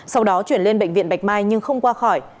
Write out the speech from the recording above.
sau đó chuyển lên bệnh viện bạch mai nhưng không qua khỏi